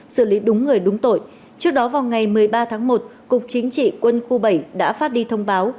xử lý đúng người đúng tội trước đó vào ngày một mươi ba tháng một cục chính trị quân khu bảy đã phát đi thông báo